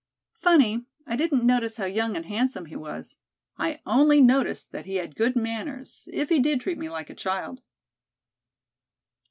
"Funny I didn't notice how young and handsome he was. I only noticed that he had good manners, if he did treat me like a child."